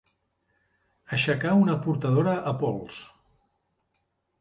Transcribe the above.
Aixecar una portadora a pols.